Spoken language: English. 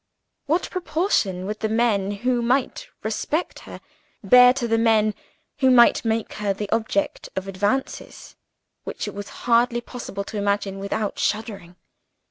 What proportion would the men who might respect her bear to the men who might make her the object of advances, which it was hardly possible to imagine without shuddering.